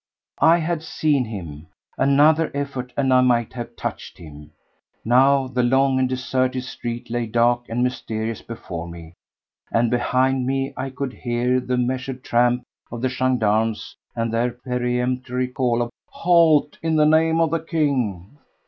I had seen him—another effort and I might have touched him!—now the long and deserted street lay dark and mysterious before me, and behind me I could hear the measured tramp of the gendarmes and their peremptory call of "Halt, in the name of the King!"